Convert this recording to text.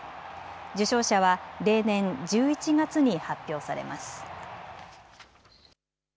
受賞者は例年１１月に発表されます。